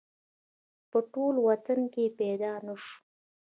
په ټول وطن کې پیدا نه شو